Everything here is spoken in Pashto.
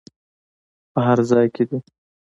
په هر ځای کې دې.